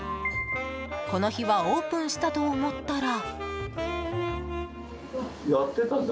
この日はオープンしたと思ったら。